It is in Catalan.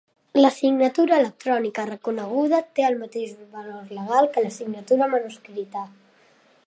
La signatura electrònica reconeguda té el mateix valor legal que la signatura manuscrita.